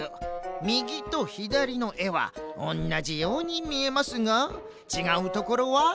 みぎとひだりのえはおんなじようにみえますがちがうところは３つ。